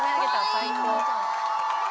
最高。